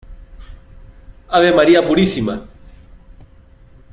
¡ ave María Purísima!